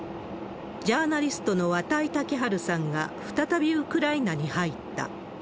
ジャーナリストの綿井健陽さんが再びウクライナに入った。